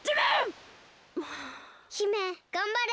姫がんばれ。